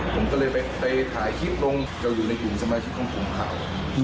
ผมก็เลยไปถ่ายคลิปลงจะอยู่ในกลุ่มสมาชิกของผมเขา